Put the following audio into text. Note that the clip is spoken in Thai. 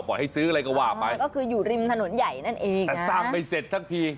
พอให้ซื้ออะไรก็ว่าไปนะครับค่ะนั่นเองนะครับสั่งไม่เสร็จทั้งที